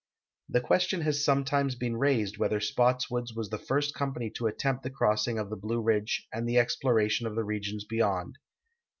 The question has sometimes been raised whether Spottswood's was the first company to attempt the crossing of the Blue Ridge and the exploration of the regions beyond.